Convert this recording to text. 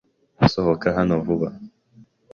Sohoka hano vuba!